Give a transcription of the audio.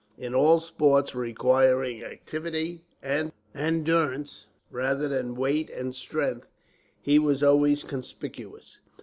In all sports requiring activity and endurance, rather than weight and strength, he was always conspicuous.